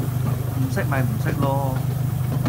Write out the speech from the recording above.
唔識咪唔識囉